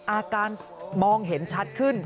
อาการมองเห็นชัดขึ้น